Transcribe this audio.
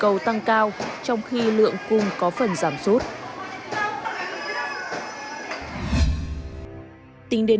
hai chiều này đắt lên